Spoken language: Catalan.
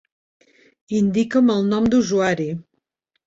Indica'm el nom d'usuari.